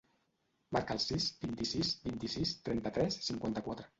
Marca el sis, vint-i-sis, vint-i-sis, trenta-tres, cinquanta-quatre.